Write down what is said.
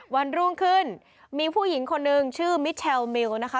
วันรุ่งขึ้นมีผู้หญิงคนนึงชื่อมิเชลมิวนะคะ